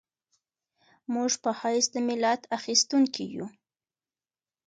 موږ په حیث د ملت اخیستونکي یو.